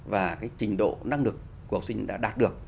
và cái trình độ năng lực của học sinh đã đạt được